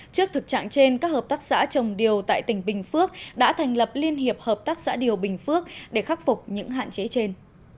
trước thực trạng trên các hợp tác xã trồng điều tại tỉnh bình phước đã thành lập liên hiệp hợp tác xã điều bình phước để khắc phục những hạn chế trên